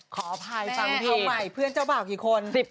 ขออภัยสำคัญสิเพื่อนเจ้าบ่าวคิดคน